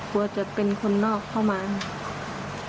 กลัวจะเป็นคนนอกเข้ามา